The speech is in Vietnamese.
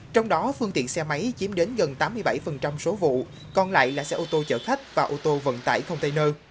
trong đó phương tiện xe máy chiếm đến gần tám mươi bảy số vụ còn lại là xe ô tô chở khách và ô tô vận tải container